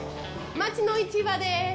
街の市場です。